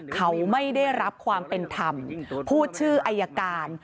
เขาไม่ได้รับความเป็นธรรมพูดชื่ออายการ